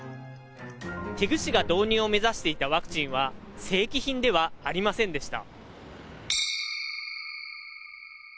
テグ市が導入を目指していたワクチンは、正規品ではありませんでした。